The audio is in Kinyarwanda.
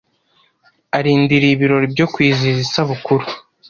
Arindiriye ibirori byo kwizihiza isabukuru.